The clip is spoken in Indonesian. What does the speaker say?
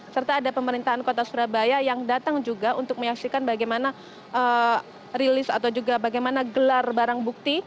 serta ada pemerintahan kota surabaya yang datang juga untuk menyaksikan bagaimana rilis atau juga bagaimana gelar barang bukti